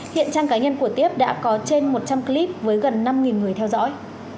hiện trang cá nhân của tiếp đã có trên một trăm linh clip với gần năm người theo dõi